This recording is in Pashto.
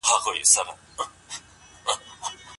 غازي امان الله خان د پرمختګ لپاره قانوني اصلاحات ترسره کړل.